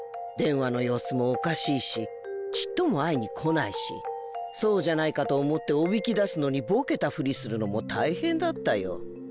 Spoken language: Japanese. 電話の様子もおかしいしちっとも会いに来ないしそうじゃないかと思っておびき出すのにボケたふりするのも大変だったよ。